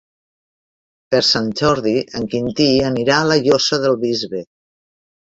Per Sant Jordi en Quintí anirà a la Llosa del Bisbe.